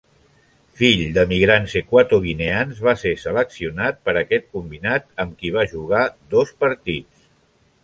Fills d'emigrants equatoguineans, va ser seleccionat per aquest combinat, amb qui va jugar dos partits.